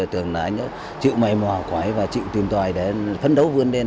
tưởng là anh đã chịu may mò của anh và chịu tìm tòi để phấn đấu vươn lên